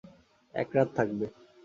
এক রাত থাকবে।